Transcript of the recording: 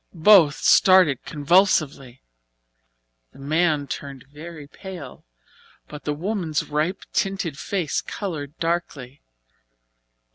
Both started convulsively. The man turned very pale, but the woman's ripe tinted face coloured darkly.